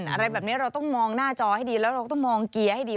อะไรแบบนี้เราต้องมองหน้าจอให้ดีแล้วเราต้องมองเกียร์ให้ดี